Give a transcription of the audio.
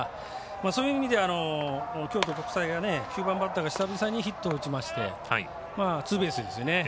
そういう意味では京都国際が９番バッターが久々にヒットを打ちましてツーベースですよね。